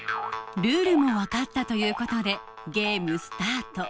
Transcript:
ルールも分かったということでゲームスタート